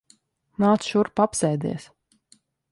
Nāc šurp. Apsēdies.